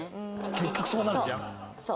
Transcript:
結局そうなるじゃん。